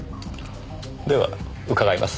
では伺います。